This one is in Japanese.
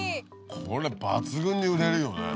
これ抜群に売れるよね。